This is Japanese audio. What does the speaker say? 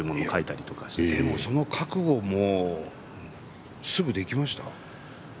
でも、その覚悟もすぐできました？